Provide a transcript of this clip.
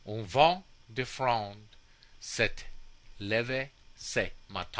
Un vent de fronde S'est leve ce matin."